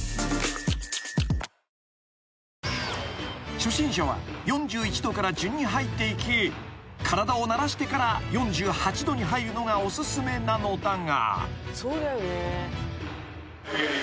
［初心者は４１℃から順に入っていき体を慣らしてから４８℃に入るのがお勧めなのだが］